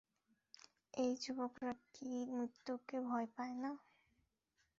এই যুবকরা কি মৃত্যুকে ভয় পায় না?